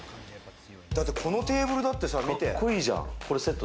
このテーブルだってさ、見て。